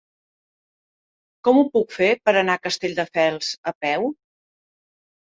Com ho puc fer per anar a Castelldefels a peu?